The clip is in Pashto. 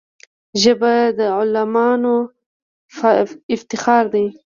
ژبه د عالمانو افتخار دی